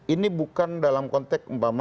ini bukan dalam konteks